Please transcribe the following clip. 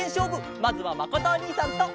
まずはまことおにいさんと！